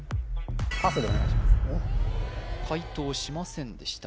解答しませんでした